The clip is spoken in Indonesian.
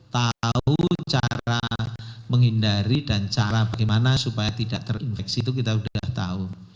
tahu cara menghindari dan cara bagaimana supaya tidak terinfeksi itu kita sudah tahu